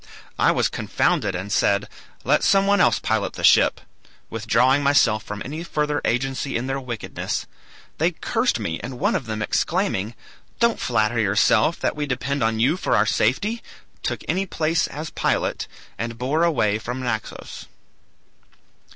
I was confounded and said, 'Let some one else pilot the ship;' withdrawing myself from any further agency in their wickedness. They cursed me, and one of them, exclaiming, 'Don't flatter yourself that we depend on you for our safety;' took any place as pilot, and bore away from Naxos.